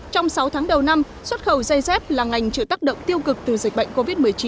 trong sáu tháng đầu năm xuất khẩu dây dép là ngành chữa tác động tiêu cực từ dịch bệnh covid một mươi chín